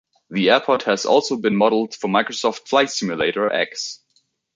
The Airport has also been modelled for Microsoft Flight Simulator X.